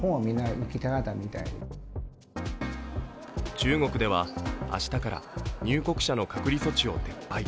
中国では明日から入国者の隔離措置を撤廃。